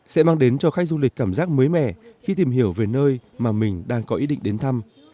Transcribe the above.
sẽ mang đến cho khách du lịch cảm giác mới mẻ khi tìm hiểu về nơi mà mình đang có ý định đến thăm